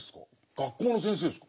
学校の先生ですか？